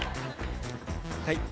はい。